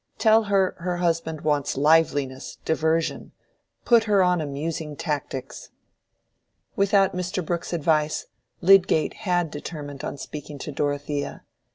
Tell her, her husband wants liveliness, diversion: put her on amusing tactics." Without Mr. Brooke's advice, Lydgate had determined on speaking to Dorothea.